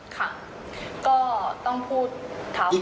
ค่ะก็ต้องพูด